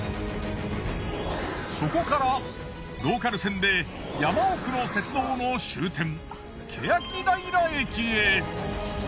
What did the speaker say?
そこからローカル線で山奥の鉄道の終点欅平駅へ。